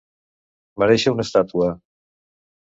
Merèixer una estàtua.